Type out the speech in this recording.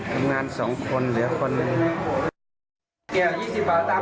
ทำงาน๒คนเดี๋ยว๑คน